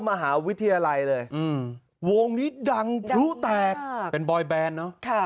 มหาวิทยาลัยเลยอืมวงนี้ดังผู้แตกดังมากเป็นบอยแบรนด์เนอะ